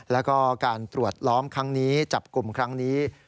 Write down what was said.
แล้วก็การตรวจล้อมครั้งนี้จับกลุ่มครั้งนี้